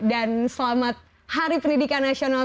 dan selamat hari pendidikan nasional